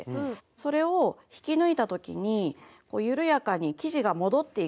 それを引き抜いた時に緩やかに生地が戻っていくんです。